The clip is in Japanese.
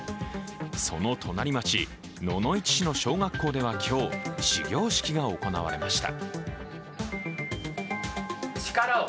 その隣町、野々市市の小学校では今日始業式が行われました。